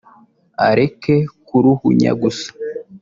areke kuruhunya gusa